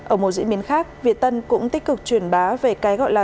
ở một diễn biến khác việt tân cũng tích cực truyền bá về cái gọi là